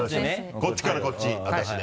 こっちからこっち私で。